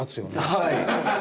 はい。